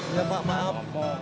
ya pak maaf